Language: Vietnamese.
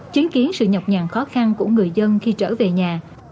chứng kiến sự nhọc nhàn khó khăn của người dân khi trở về nhà